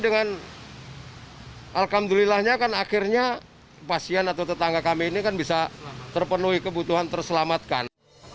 dan alhamdulillahnya kan akhirnya pasien atau tetangga kami ini kan bisa terpenuhi kebutuhan terselamatkan